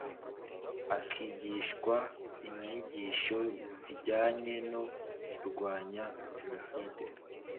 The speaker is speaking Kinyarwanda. akigishwa inyigisho zijyanye no kurwanya jenoside